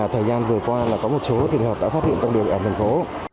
thời gian vừa qua có một số trường hợp đã phát hiện công việc ở thành phố